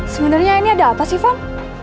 sebenarnya ini ada apa sih van